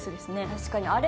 確かに。